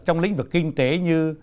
trong lĩnh vực kinh tế như